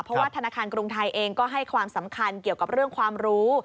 เพราะว่าธนาคารกรุงไทยเองก็ให้ความสำคัญเกี่ยวกับเรื่องความรู้